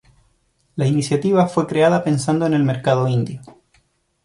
La iniciativa fue creada pensando en el mercado Indio.